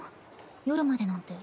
夜までなんて。